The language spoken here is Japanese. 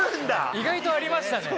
意外とありましたね。